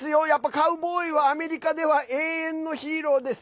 カウボーイはやっぱりアメリカでは永遠のヒーローです。